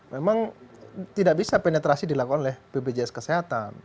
memang tidak bisa penetrasi dilakukan oleh bpjs kesehatan